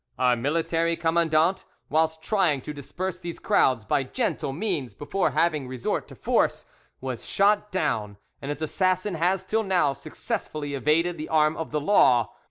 Our military commandant, whilst trying to disperse these crowds by gentle means before having resort to force, was shot down, and his assassin has till now successfully evaded the arm of the law.